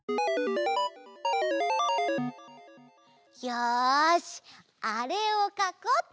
よしあれをかこうっと！